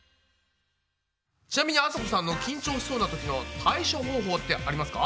ちなみにあさこさんの緊張しそうなときの対処方法ってありますか？